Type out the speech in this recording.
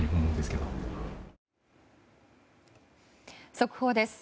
速報です。